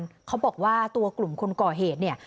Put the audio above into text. พี่บ๊ายพี่บ๊ายพี่บ๊าย